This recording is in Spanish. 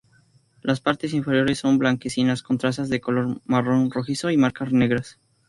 Las partes inferiores son blanquecinas con trazas de color marrón rojizo y marcas negras.